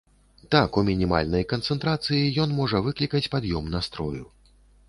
Так, у мінімальнай канцэнтрацыі ён можа выклікаць пад'ём настрою.